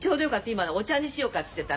今ねお茶にしようかっつってたのよ。